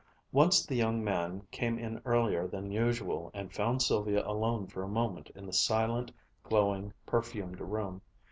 Once the young man came in earlier than usual and found Sylvia alone for a moment in the silent, glowing, perfumed room.